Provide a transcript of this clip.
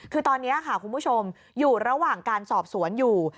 คือตอนนี้ค่ะคุณผู้ชมอยู่ระหว่างการสอบสวนอยู่